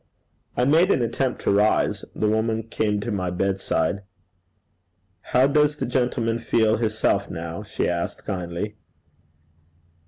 I made an attempt to rise. The woman came to my bedside. 'How does the gentleman feel hisself now?' she asked kindly.